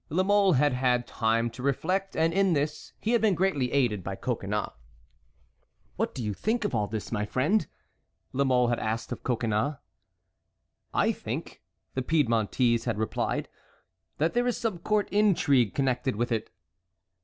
La Mole had had time to reflect, and in this he had been greatly aided by Coconnas. "What do you think of all this, my friend?" La Mole had asked of Coconnas. "I think," the Piedmontese had replied, "that there is some court intrigue connected with it."